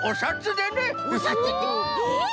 おさつってええっ！？